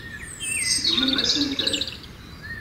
Tseggmem-asent-ten.